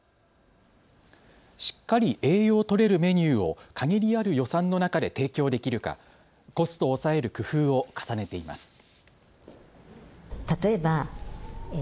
しっかり栄養をとれるメニューを限りある予算の中で提供できるか、コストを抑える工夫を重ねています。